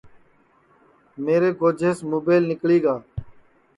میرے گھوجیس مُبیل نیکݪی گا